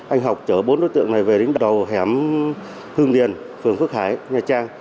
anh học chở bốn đối tượng này về đến đầu hẻm hương điền phường phước hải nha trang